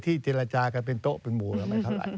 เจรจากันเป็นโต๊ะเป็นหมู่ไม่เท่าไหร่